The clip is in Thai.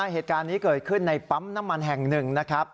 เหตุการณ์นี้เกิดขึ้นในปั๊มน้ำมันแห่งหนึ่งนะครับ